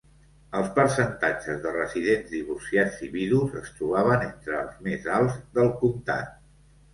Els percentatges de residents divorciats i vidus es trobaven entre els més alts del comtat.